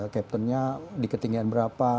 kaptennya di ketinggian berapa